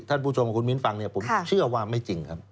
ท่านผู้ชมกับคุณมิ้นฟังเนี่ยผมเชื่อว่าไม่จริงครับ